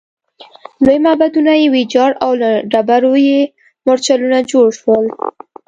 لوی معبدونه یې ویجاړ او له ډبرو یې مورچلونه جوړ شول